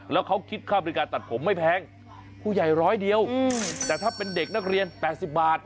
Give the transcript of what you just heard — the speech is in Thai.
แล้วเขาคิดค่าบริการตัดผมไม่แพงผู้ใหญ่ร้อยเดียวแต่ถ้าเป็นเด็กนักเรียน๘๐บาท